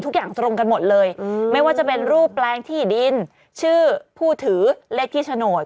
ทุกอย่างตรงกันหมดเลยไม่ว่าจะเป็นรูปแปลงที่ดินชื่อผู้ถือเลขที่โฉนด